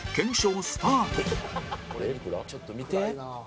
「これちょっと見て」